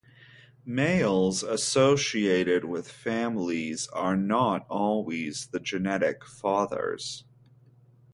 Males associated with families are not always the genetic fathers.